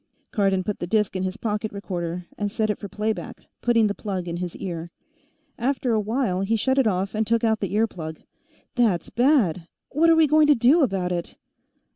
Cardon put the disk in his pocket recorder and set it for play back, putting the plug in his ear. After a while, he shut it off and took out the ear plug. "That's bad! What are we going to do about it?"